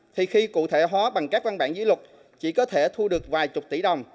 thì khi cụ thể hóa bằng các văn bản dưới luật chỉ có thể thu được vài chục tỷ đồng